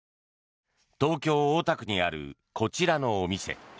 東京・大田区にあるこちらのお店。